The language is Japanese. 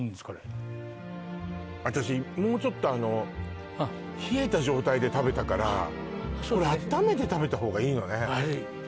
これ私もうちょっとあの冷えた状態で食べたからこれあっためて食べた方がいいわね